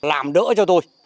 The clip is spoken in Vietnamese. làm đỡ cho tôi